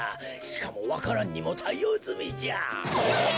しかもわか蘭にもたいおうずみじゃ。え！？